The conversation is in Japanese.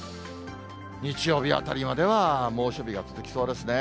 日曜日あたりまでは猛暑日が続きそうですね。